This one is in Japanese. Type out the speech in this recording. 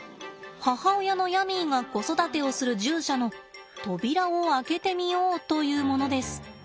母親のヤミーが子育てをする獣舎の扉を開けてみようというものです。